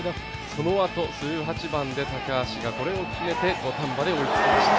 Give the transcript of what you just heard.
そのあと、１８番でこれを決めて土壇場で追いつきました。